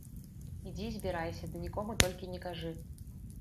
Ідзі, збірайся, ды нікому толькі не кажы.